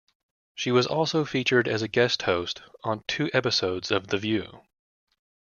She was also featured as a guest host on two episodes of "The View".